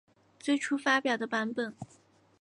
最初发表的版本。